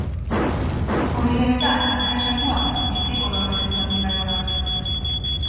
Hori dela eta, azken zakua etxeko norbaitentzat izango da.